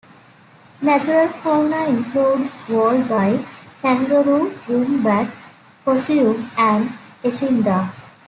Natural fauna includes wallaby, kangaroo, wombat, possum and echidna.